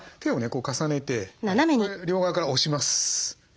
こう重ねてこれ両側から押します。